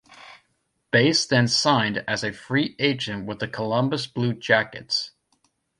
Bass then signed as a free agent with the Columbus Blue Jackets.